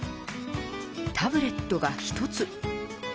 タブレットが一つ。